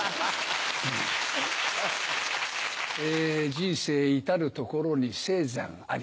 人生至る所に青山あり。